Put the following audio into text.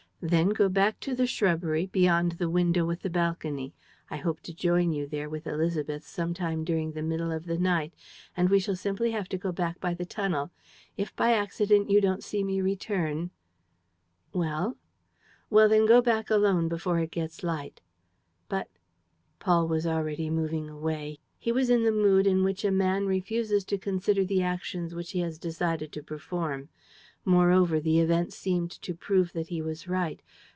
Then go back to the shrubbery beyond the window with the balcony. I hope to join you there with Élisabeth some time during the middle of the night; and we shall simply have to go back by the tunnel. If by accident you don't see me return ..." "Well?" "Well, then go back alone before it gets light." "But ..." Paul was already moving away. He was in the mood in which a man refuses to consider the actions which he has decided to perform. Moreover, the event seemed to prove that he was right.